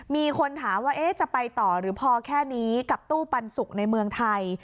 มีคนถามว่าจะไปต่อหรือพอแค่นี้กับตู้ปันสุกในเมืองไทย